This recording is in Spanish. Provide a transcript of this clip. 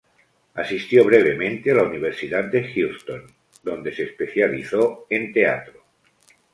Asistió brevemente a la Universidad de Houston, donde se especializó en teatro.